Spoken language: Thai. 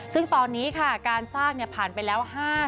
ซึ่งตอนนี้ค่ะการสร้างผ่านไปแล้ว